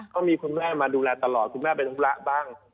เขามีคุณแม่มาดูแลตลอดคุณแม่ไปทำธุระบ้าง